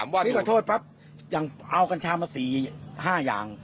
วันนี้ขอโทษปั๊บยังเอากัญชามา๔๕อย่าง